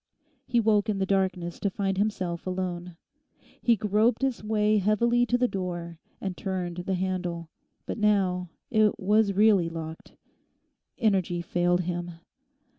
He woke in the darkness to find himself alone. He groped his way heavily to the door and turned the handle. But now it was really locked. Energy failed him.